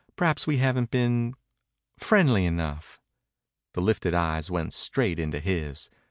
Perhaps we haven't been ... friendly enough." The lifted eyes went straight into his.